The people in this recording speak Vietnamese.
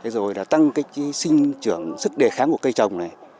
rồi là tăng sinh trưởng sức đề kháng của cây trồng này